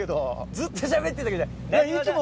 ずっとしゃべってた。